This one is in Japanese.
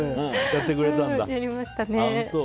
やりましたね。